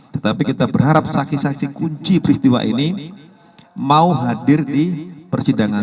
tetapi kita berharap saksi saksi kunci peristiwa ini mau hadir di persidangan